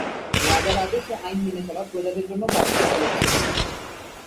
রাজার আদেশ ও আইন মেনে চলা প্রজাদের জন্য বাধ্যতামূলক ছিল।